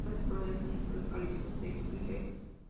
Puede desarrollarse en suelos calizos o silíceos.